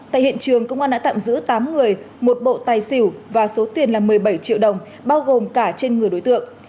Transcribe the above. tại hiện trường công an đã tạm giữ tám người một bộ tài xỉu và số tiền là một mươi bảy triệu đồng bao gồm cả trên người đối tượng